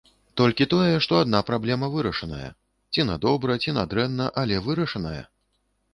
Толькі тое, што адна праблема вырашаная, ці на добра, ці на дрэнна, але вырашаная!